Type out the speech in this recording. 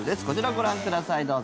こちらご覧ください。